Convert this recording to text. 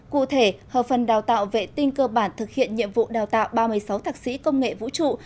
cụ thể hợp phần đào tạo vệ tinh cơ bản thực hiện nhiệm vụ đào tạo ba mươi sáu thạc sĩ công nghệ vũ trụ